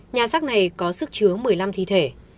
nhà sắc này có sức chứa một mươi năm thi thể